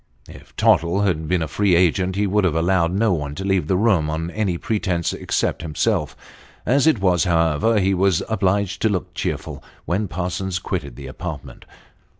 If Tottle had been a free agent, he would have allowed no one to leave the room on any pretence, except himself. As it was, however, ho was obliged to look cheerful when Parsons quitted the apartment.